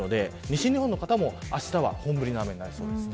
西日本の方も、あしたは本降りの雨になりそうです。